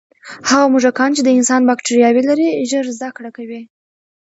هغه موږکان چې د انسان باکټرياوې لري، ژر زده کړه کوي.